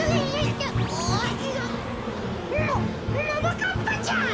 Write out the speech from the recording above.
あっももかっぱちゃん！